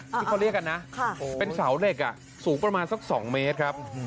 ที่เขาเรียกกันนะเป็นเสาเหล็กสูงประมาณสัก๒เมตรครับ